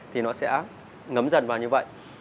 thì nó sẽ ngấm dần vào như vậy